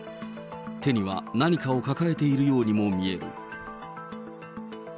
手には何かを抱えているようにも見える。